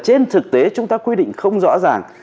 trên thực tế chúng ta quy định không rõ ràng